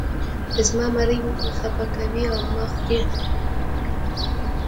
زما مرۍ خپه کوې او ما خورې.